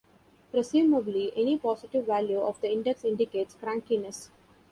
Presumably any positive value of the index indicates crankiness.